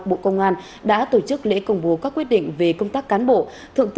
bộ công an đã tổ chức lễ công bố các quyết định về công tác cán bộ